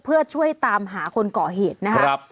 เพื่อช่วยตามหาคนก่อเหตุนะครับ